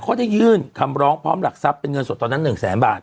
เขาได้ยื่นคำร้องพร้อมหลักทรัพย์เป็นเงินสดตอนนั้น๑แสนบาท